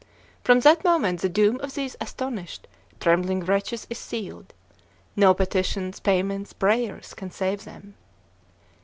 From that moment the doom of these astonished, trembling wretches is sealed. No petitions, payments, prayers, can save them.